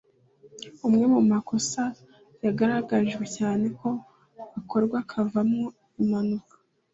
Amwe mu makosa yagaragajwe cyane ko akorwa akavamo impanuka